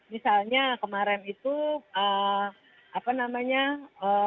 misalnya kemarin itu apa namanya tujuh belas an